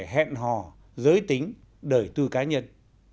hẹn hò giới tính đời tư cá nhân